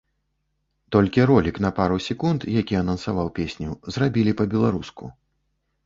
Толькі ролік на пару секунд, які анансаваў песню, зрабілі па-беларуску.